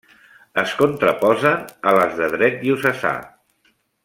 Es contraposen a les de dret diocesà.